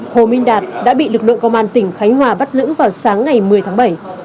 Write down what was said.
hồ minh đạt đã bị lực lượng công an tỉnh khánh hòa bắt giữ vào sáng ngày một mươi tháng bảy